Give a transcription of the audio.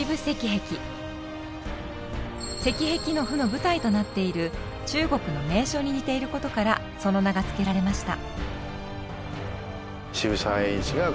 「赤壁賦」の舞台となっている中国の名所に似ていることからその名が付けられました。